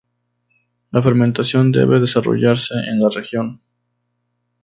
La fermentación debe desarrollarse en la región.